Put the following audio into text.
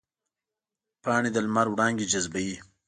پاڼې د لمر وړانګې جذبوي